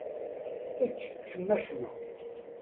Ečč cemma-cemma.